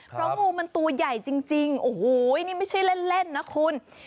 เพราะงูมันตัวใหญ่จริงโอ้โหนี่ไม่ใช่เล่นนะคุณ